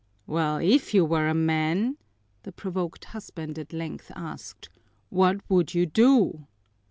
"Well, if you were a man," the provoked husband at length asked, "what would you do?"